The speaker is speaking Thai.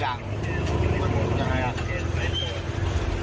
ามเลยครับ